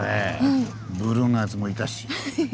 ブルーのやつもいたし。